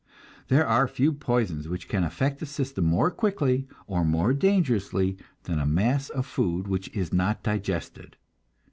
There are few poisons which can affect the system more quickly, or more dangerously, than a mass of food which is not digested.